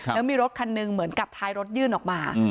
แล้วมีรถคันหนึ่งเหมือนกับท้ายรถยื่นออกมา